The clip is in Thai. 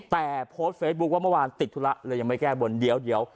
แต่โพสต์เฟซบุ๊คว่าเมื่อวานติดธุระเลยยังไม่แก้บนเดี๋ยว